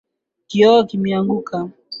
Kioo kimeanguka